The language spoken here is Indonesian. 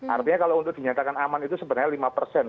artinya kalau untuk dinyatakan aman itu sebenarnya lima persen